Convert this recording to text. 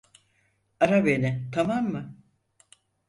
Ara beni, tamam mı?